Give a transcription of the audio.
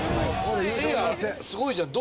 せいやすごいじゃん。